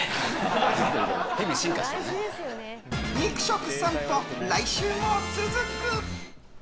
肉食さんぽ、来週も続く。